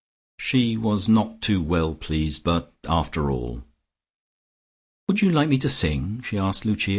She was not too well pleased, but after all.... "Would you like me to sing?" she asked Lucia.